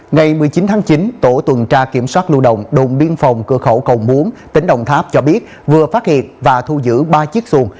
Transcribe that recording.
ngày một mươi chín tháng chín tổ tuần tra kiểm soát lưu động đồn biên phòng cơ khẩu cầu muốn tỉnh đồng tháp cho biết vừa phát hiện và thu giữ ba chiếc xuồng